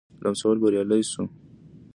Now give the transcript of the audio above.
لمسولو بریالی شوی وو.